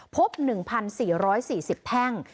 พบ๑๔๔๐แท่ง